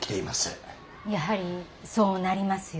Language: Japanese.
やはりそうなりますよね。